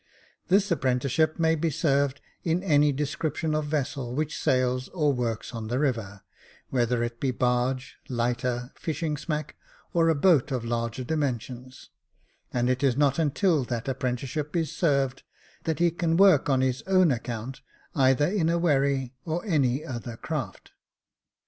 This apprenticeship may be served in any description of vessel which sails or works on the river, whether it be barge, lighter, fishing smack, or a boat of larger dimensions ; and it is not until that apprenticeship is served, that he can work on his own account, either in a wherry, or any other craft.